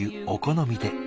お好みで。